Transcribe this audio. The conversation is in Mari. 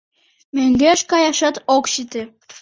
Мӧҥгеш каяшат ок сите...